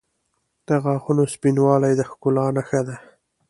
• د غاښونو سپینوالی د ښکلا نښه ده.